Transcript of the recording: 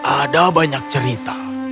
ada banyak cerita